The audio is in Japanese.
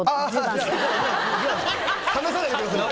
試さないでください。